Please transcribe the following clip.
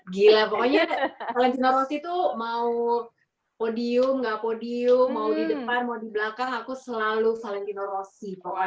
gila pokoknya salentino rozi tuh mau podium gak podium mau di depan mau di belakang aku selalu salentino rozi pokoknya